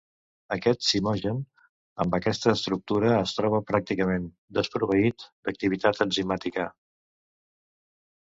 Aquest zimogen, amb aquesta estructura, es troba pràcticament desproveït d’activitat enzimàtica.